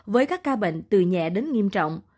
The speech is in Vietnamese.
với các ca bệnh từ nhẹ đến nghiêm trọng